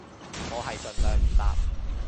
我係盡量唔搭